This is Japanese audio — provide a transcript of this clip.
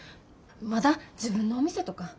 まだ自分のお店とか。